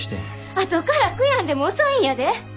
あとから悔やんでも遅いんやで。